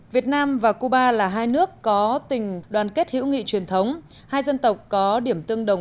việt nam và cuba là hai nước có tình đoàn kết hữu nghị truyền thống hai dân tộc có điểm tương đồng